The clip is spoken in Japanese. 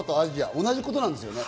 同じことなんですよね。